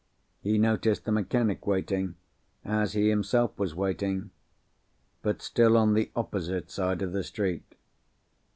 He noticed the mechanic waiting, as he himself was waiting—but still on the opposite side of the street.